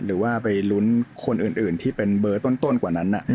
หรือว่าไปลุ้นคนอื่นที่เป็นเบอร์ต้นกว่านั้น